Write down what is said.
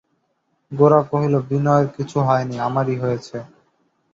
গোরা কহিল, বিনয়ের কিছু হয় নি, আমারই হয়েছে।